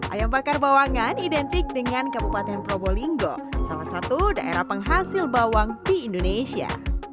ayam bakar bawangan identik dengan kabupaten probolinggo salah satu daerah penghasil bawang di indonesia